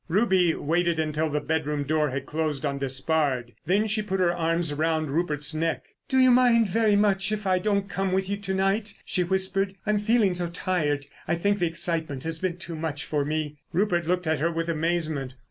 Ruby waited until the bedroom door had closed on Despard. Then she put her arms around Rupert's neck. "Do you mind very much if I don't come with you to night?" she whispered. "I'm feeling so tired. I think the excitement has been too much for me." Rupert looked at her with amazement.